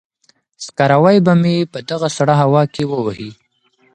سکاروی به مې په دغه سړه هوا کې ووهي.